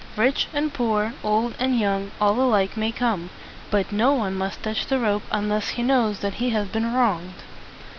Rich and poor, old and young, all alike may come; but no one must touch the rope unless he knows that he has been wronged."